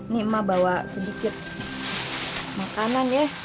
nih emak bawa sedikit makanan ya